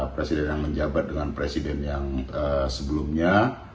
presiden yang menjabat dengan presiden yang sebelumnya